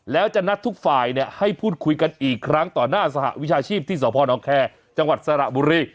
แล้วจะนัดทุกฝ่ายให้พูดคุยกันอีกครั้งต่อหน้าสหวิชาชีพที่สพนแคร์จังหวัดสระบุรี